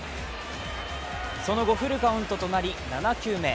その後、フルカウントとなり７球目。